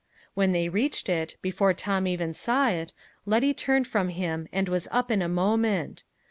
When they reached it, before even Tom saw it, Letty turned from him, and was up in a moment.